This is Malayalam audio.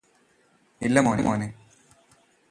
ഇല്ല മോനേ